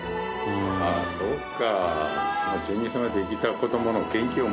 ああそっか。